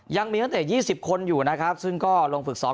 ยังมีนักเตะ๒๐คนอยู่นะครับซึ่งก็ลงฝึกซ้อม